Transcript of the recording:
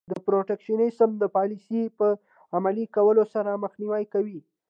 د protectionism د پالیسۍ په عملي کولو سره مخنیوی کوي.